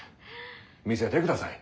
見せてください。